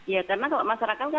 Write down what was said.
ya karena kalau masyarakat